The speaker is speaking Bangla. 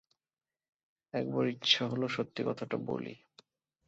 একবার ইচ্ছা হল সত্যি কথাটা বলি।